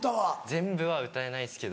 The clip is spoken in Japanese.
全部は歌えないですけど。